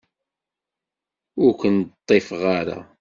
Ur ken-ḍḍifeɣ ara.